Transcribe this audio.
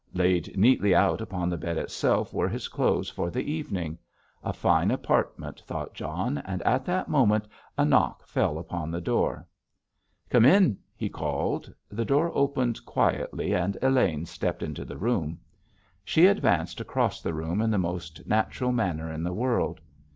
Laid neatly out upon the bed itself were his clothes for the evening. A fine apartment, thought John, and at that moment a knock fell upon the door. "Come in," he called. The door opened quietly, and Elaine stepped into the room. She advanced across the room in the most natural manner in the world.